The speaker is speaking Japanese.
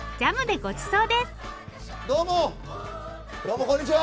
どうもこんにちは。